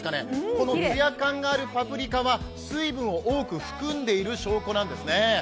このつや感があるパプリカは水分を多く含んでいる証拠なんですね。